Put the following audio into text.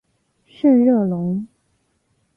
圣热龙。